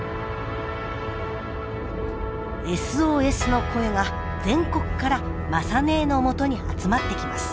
ＳＯＳの声が全国から雅ねえのもとに集まってきます。